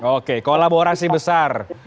oke kolaborasi besar